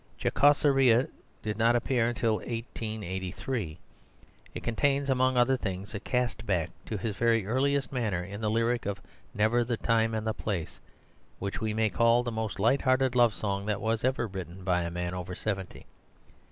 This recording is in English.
Jocoseria did not appear till 1883. It contains among other things a cast back to his very earliest manner in the lyric of "Never the Time and the Place," which we may call the most light hearted love song that was ever written by a man over seventy.